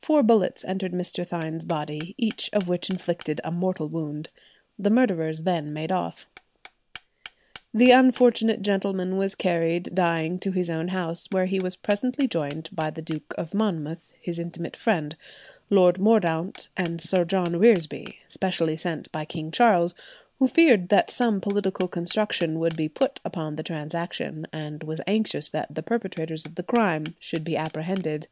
Four bullets entered Mr. Thynne's body, each of which inflicted a mortal wound. The murderers then made off. The unfortunate gentleman was carried dying to his own house, where he was presently joined by the Duke of Monmouth, his intimate friend, Lord Mordaunt, and Sir John Reresby, specially sent by King Charles, who feared that some political construction would be put upon the transaction and was anxious that the perpetrators of the crime should be apprehended.